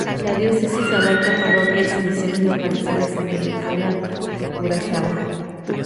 La diócesis abarca parroquias y misiones localizadas en Venezuela y Curazao.